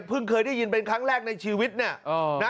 เคยได้ยินเป็นครั้งแรกในชีวิตเนี่ยนะ